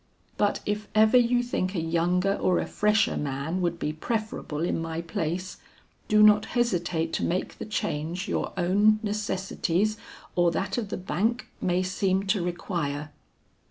"But if ever you think a younger or a fresher man would be preferable in my place, do not hesitate to make the change your own necessities or that of the Bank may seem to require."